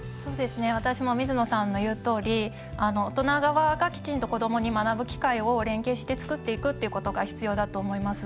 私も水野さんの言うとおり大人側がきちんと子どもに学ぶ機会を連携して作っていくっていうことが必要だと思います。